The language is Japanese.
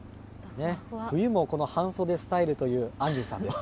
冬も、この半袖スタイルという安重さんです。